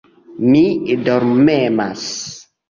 Mi dormemas.